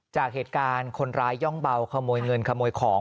จากเหตุการณ์คนร้ายย่องเบาขโมยเงินขโมยของ